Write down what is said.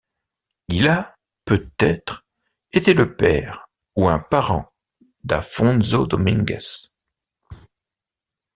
Il a, peut-être, été le père ou un parent d'Afonso Domingues.